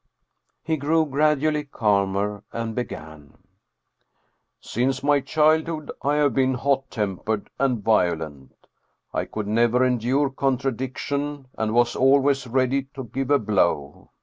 He grew gradually calmer and began: " Since my childhood I have been hot tempered and vio lent. I could never endure contradiction, and was always ready to give a blow.